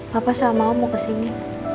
bapak sama om mau ke sini